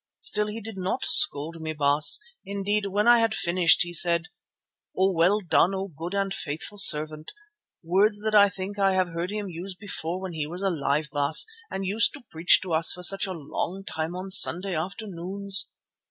Still he did not scold me, Baas; indeed, when I had finished, he said: "'Well done, O good and faithful servant,' words that I think I have heard him use before when he was alive, Baas, and used to preach to us for such a long time on Sunday afternoons.